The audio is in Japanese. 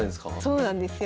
そうなんですよ。